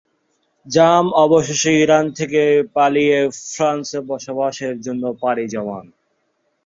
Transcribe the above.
জাম অবশেষে ইরান থেকে পালিয়ে ফ্রান্সে বসবাসের জন্য পাড়ি জমান।